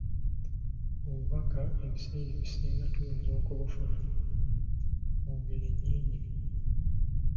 Obubaka ebiseera ebisinga tuyinza okubufuna mu ngeri nyingi.